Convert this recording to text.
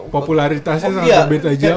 popularitasnya sangat berbeda jauh